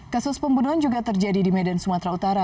kasus pembunuhan juga terjadi di medan sumatera utara